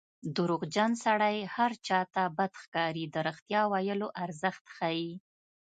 دروغجن سړی هر چا ته بد ښکاري د رښتیا ویلو ارزښت ښيي